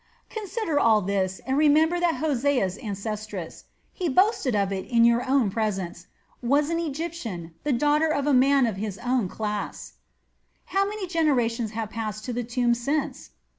"Consider all this, and remember that Hosea's ancestress he boasted of it in your own presence was an Egyptian, the daughter of a man of my own class." "How many generations have passed to the tomb since?"